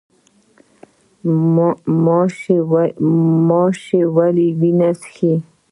ماشی ولې وینه څښي؟